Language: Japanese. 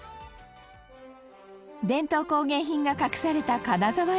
伝統工芸品が隠された金沢駅。